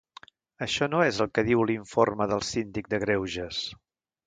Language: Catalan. Això no és el que diu l’informe del síndic de greuges.